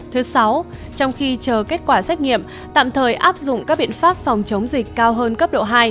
thứ sáu trong khi chờ kết quả xét nghiệm tạm thời áp dụng các biện pháp phòng chống dịch cao hơn cấp độ hai